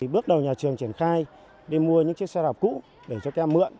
bước đầu nhà trường triển khai đi mua những chiếc xe đạp cũ để cho các em mượn